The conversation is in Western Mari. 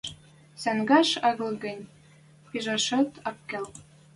Сӹнгӓш агыл гӹнь, пижӓшӓт ак кел.